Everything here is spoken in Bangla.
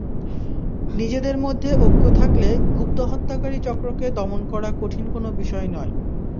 নিজেদের মধ্যে ঐক্য থাকলে গুপ্তহত্যাকারী চক্রকে দমন করা কঠিন কোনো বিষয় নয়।